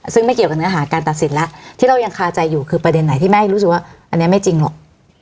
ซึ่งไม่เกี่ยวกับเนื้อหาการตัดสินแล้วที่เรายังคาใจอยู่คือประเด็นไหนที่แม่รู้สึกว่าอันนี้ไม่จริงหรอก